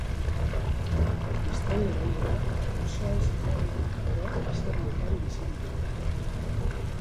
Biztanle gehienak auzoan sakabanatutako baserrietan bizi dira.